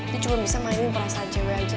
dia cuma bisa mainin perasaan cewek aja